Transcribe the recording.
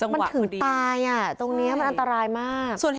มันถึงตายตรงนี้มันอันตรายมาก